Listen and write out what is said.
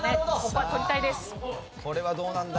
さあこれはどうなんだ？